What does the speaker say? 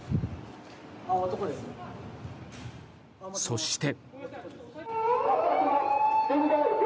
そして。